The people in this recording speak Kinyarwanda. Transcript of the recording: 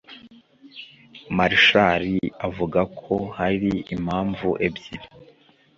Marshall avuga ko hari impamvu ebyiri